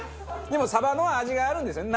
でもサバの味があるんですよね。